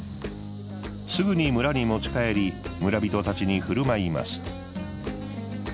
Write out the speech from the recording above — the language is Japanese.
すぐに村に持ち帰り村人たちに振る舞います。